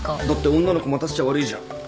だって女の子待たせちゃ悪いじゃん。